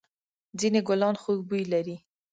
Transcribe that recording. ځېنې گلان خوږ بوی لري.